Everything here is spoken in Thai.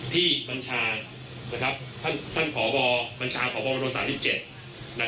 พี่บัญชาบัญชาขอบพรมวัชโภษฎา๓๗